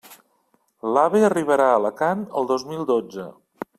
L'AVE arribarà a Alacant el dos mil dotze.